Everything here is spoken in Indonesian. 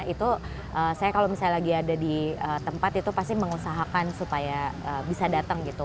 itu saya kalau misalnya lagi ada di tempat itu pasti mengusahakan supaya bisa datang gitu